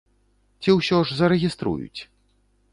Ці ўсё ж зарэгіструюць?